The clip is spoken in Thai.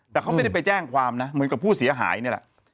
แต่เขาไม่ได้ไปแจ้งความนะเหมือนกับผู้เสียหายนี่แหละ